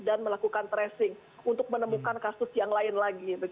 dan melakukan tracing untuk menemukan kasus yang lain lagi